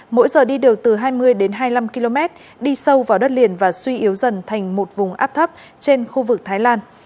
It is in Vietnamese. mỗi giờ đi được từ hai mươi đến hai mươi năm km đi sâu vào đất liền và suy yếu dần thành một vùng áp thấp trên khu vực thái lan